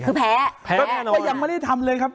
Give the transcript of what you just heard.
คือแพ้แพ้แน่นอนแต่ยังไม่ได้ทำเลยครับ